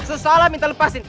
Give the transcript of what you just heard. susah lah minta lepasin